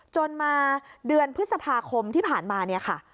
จนมาเดือนพฤษภาคมที่ผ่านมาเนี่ยค่ะ